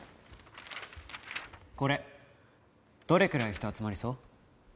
これどれくらい人集まりそう？